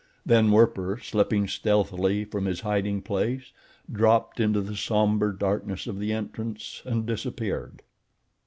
Then Werper, slipping stealthily from his hiding place, dropped into the somber darkness of the entrance and disappeared.